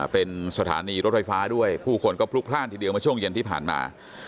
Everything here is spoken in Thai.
เป็นสถานีรถไฟฟ้าด้วยผู้คนก็พลุกพลาดทีเดียวเมื่อช่วงเย็นที่ผ่านมา